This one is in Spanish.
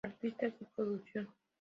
Artistas y producción